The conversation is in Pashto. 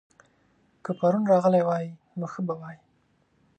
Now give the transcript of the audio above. که پرون راغلی وای؛ نو ښه به وای